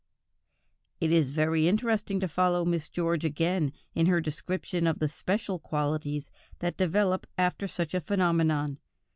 It is very interesting to follow Miss George again in her description of the special qualities that develop after such a phenomenon.